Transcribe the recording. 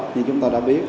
như chúng ta đã biết